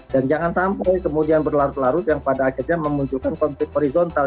dan jangan sampai kemudian berlarut larut yang pada akhirnya memunculkan konflik horizontal